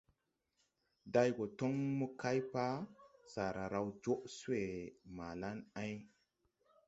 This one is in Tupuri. Day go toŋ mo kay pa, saara raw joʼ swé ma la ɛŋ.